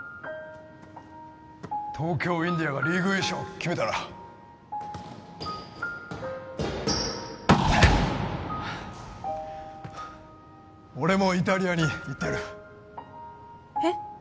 東京ウィンディアがリーグ優勝を決めたら俺もイタリアに行ってやるえっ？